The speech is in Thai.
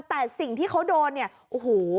แต่สิ่งที่เขาโดนเนี่ยโอ้โห